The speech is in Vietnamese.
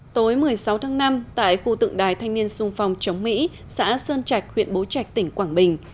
tối một mươi sáu tháng năm tại khu tượng đài thanh niên sung phong chống mỹ xã sơn trạch huyện bố trạch tỉnh quảng bình